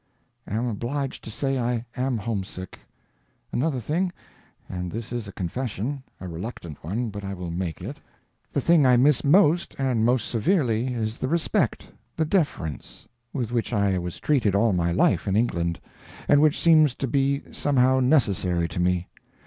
Am obliged to say I am homesick. Another thing—and this is a confession—a reluctant one, but I will make it: The thing I miss most and most severely, is the respect, the deference, with which I was treated all my life in England, and which seems to be somehow necessary to me.